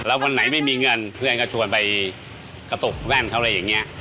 แล้ววันไหนไม่มีเงินเพื่อนก็ชวนไปกระตุกแว่นเขาอะไรอย่างนี้